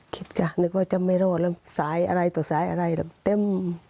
คิดค่ะนึกว่าจะไม่รอดแล้วสายอะไรต่อสายอะไรเต็ม